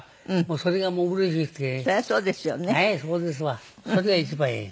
それが一番ええ。